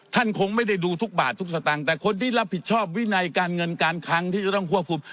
ท่านคงไม่ได้ดูทุกบาททุกสตางค์แต่คนที่รับผิดชอบวินัยการเงินการคังที่จะต้องควบคุม